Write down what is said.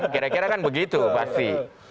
kira kira kan begitu pasti